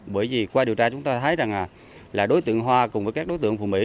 bởi vì qua điều tra chúng ta thấy là đối tượng hoa cùng với các đối tượng phù mỹ